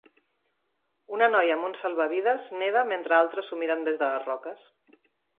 Una noia amb un salvavides neda mentre altres s'ho miren des de les roques